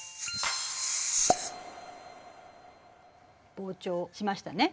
膨張しましたね。